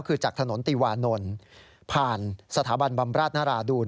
คือจากถนนติวานนท์ผ่านสถาบันบำราชนราดูล